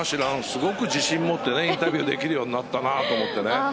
すごく自信を持ってインタビューできるようになったなと思って。